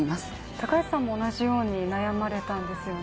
高橋さんも同じように悩まれたんですよね？